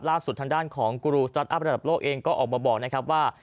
ทางด้านของกูรูสตอัพระดับโลกเองก็ออกมาบอกนะครับว่า